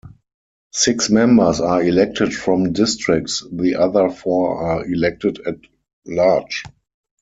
Six members are elected from districts the other four are elected at large.